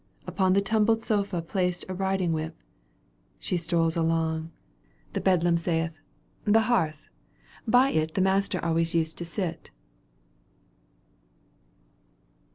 Upon the tumbled sofa placed, A riding whip. She strolls along. v The beldam saith :" The hearth, by it The master always used to sit.